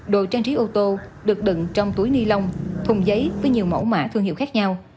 đồ trang trí ô tô được đựng trong túi ni lông thùng giấy với nhiều mẫu mã thương hiệu khác nhau